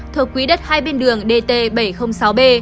thuộc quỹ đất hai bên đường dt bảy trăm linh sáu b